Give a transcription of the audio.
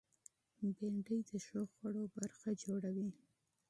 بېنډۍ د ښو خوړو برخه جوړوي